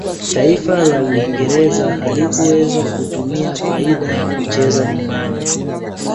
taifa la uingereza halikuweza kutumia faida ya kucheza nyumbani